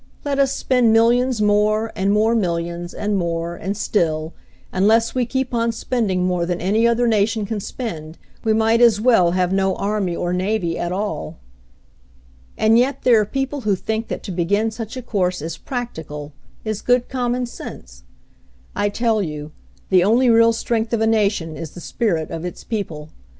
Let us spend millions more, and more millions, and more, and still, unless we keep on spending more than any other nation can spend, we might as well have no army or navy at all. "And yet there are people who think that to begin such a course is 'practical/ is good com mon sense! "I tell you, the only real strength of a nation is the spirit of its people.